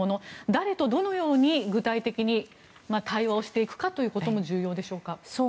誰と、どのように、具体的に対話をしていくかということも重要でしょうか。